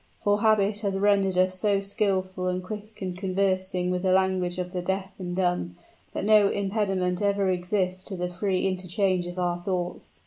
For habit has rendered us so skillful and quick in conversing with the language of the deaf and dumb, that no impediment ever exists to the free interchange of our thoughts."